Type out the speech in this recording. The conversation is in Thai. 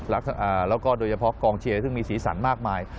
แล้วก็โดยเฉพาะกองเชียร์ซึ่งมีสีสันมากมาย